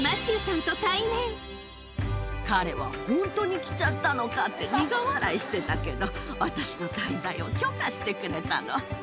彼は本当に来ちゃったのかって苦笑いしてたけど、私の滞在を許可してくれたの。